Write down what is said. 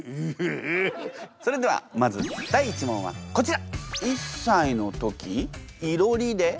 それではまず第１問はこちら。